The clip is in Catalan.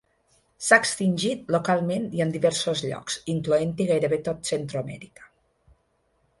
S'ha extingit localment en diversos llocs, incloent-hi gairebé tot Centreamèrica.